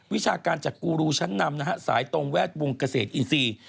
วิชาการจากกูรูชั้นนำนะฮะสายตรงแวดวงเกษตรอินทรีย์